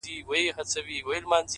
ه کټ مټ لکه ستا غزله!!